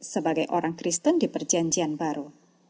sebagai orang kristen di perjanjian baru